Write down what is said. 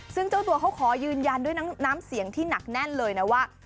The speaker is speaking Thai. ซึ่งเจ้าตัวเขาขอยืนยันด้วยน้ำเสียงที่หนักแน่นเลยนะว่า